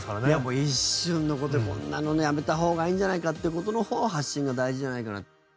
もう一瞬の事こんなのねやめた方がいいんじゃないかっていう事の方を発信が大事じゃないかな。